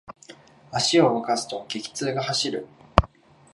足を動かすと、激痛が走る。